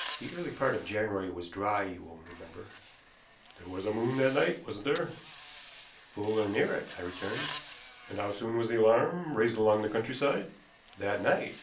The early part of January was dry, you will remember." "There was a moon that night, wasn't there?" "Full, or near it," I returned. "And how soon was the alarm raised along the countryside?" "That night.